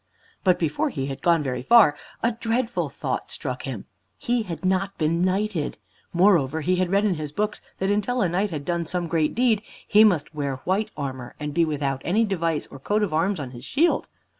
But before he had gone very far, a dreadful thought struck him. He had not been knighted! Moreover, he had read in his books that until a knight had done some great deed, he must wear white armor, and be without any device or coat of arms on his shield.